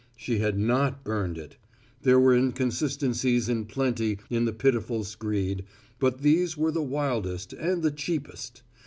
She had not burned it! There were inconsistencies in plenty in the pitiful screed, but these were the wildest and the cheapest.